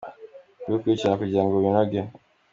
kubikurikirana kugirango binoge.